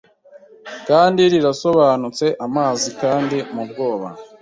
kandi rirasobanutse Amazi kandi mubwoba